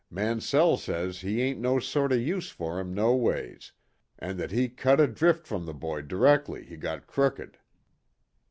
Mansell says he ain't no sort o' use for him no ways, and that he cut adrift from the boy directly he got crooked."